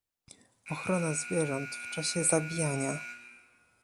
Ochrona zwierząt w czasie zabijania